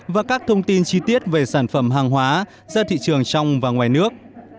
và các thông tin chi tiết về sản phẩm hàng hóa ra thị trường trong và ngoài nước